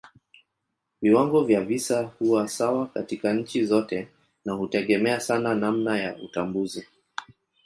Viwango vya visa huwa sawa katika nchi zote na hutegemea sana namna ya utambuzi.